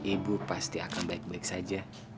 ibu pasti akan baik baik saja